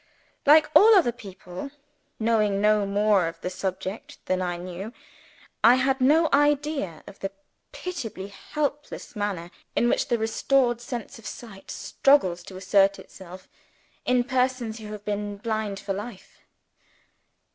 _" Like all other people, knowing no more of the subject than I knew, I had no idea of the pitiably helpless manner in which the restored sense of sight struggles to assert itself, in persons who have been blind for life.